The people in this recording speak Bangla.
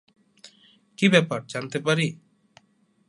কি ব্যাপার জানতে পারি?